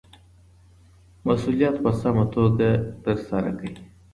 مسووليت په سمه توګه ترسره کړئ